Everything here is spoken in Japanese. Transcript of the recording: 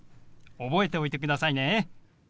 覚えておいてくださいね。